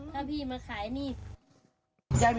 ถ้ามีอะไรก็คุยกันถ้าพี่มาขายหนี้